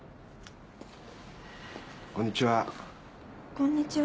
こんにちは。